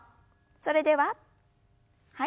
それでははい。